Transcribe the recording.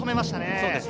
そうですね。